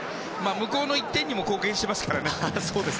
向こうの１点にも貢献してますからね。